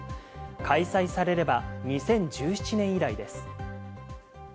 開催されれば２０１７年以来です。